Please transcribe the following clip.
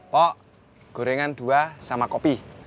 pok gorengan dua sama kopi